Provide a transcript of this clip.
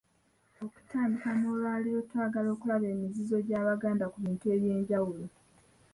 Okutandika n'olwaleero, twagala okulaba emizizo gy'Abaganda ku bintu eby'enjawulo.